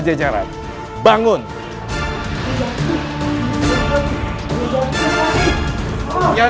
jaga dia bantar